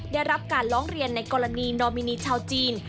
ได้รับการร้องเรียนในกรณีนอมินีชาวจีน